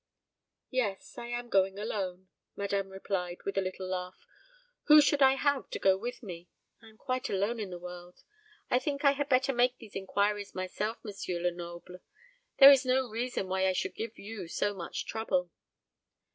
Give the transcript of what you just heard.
"Yes, I am going alone," madame replied, with a little laugh. "Who should I have to go with me? I am quite alone in the world. I think I had better make these inquiries myself, M. Lenoble. There is no reason why I should give you so much trouble."